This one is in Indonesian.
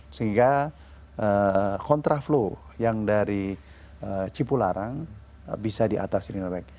sehingga kontra flow yang dari cipularang bisa di atas rinobek